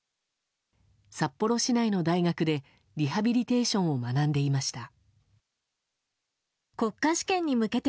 札幌市内の大学でリハビリテーションを学んでいました。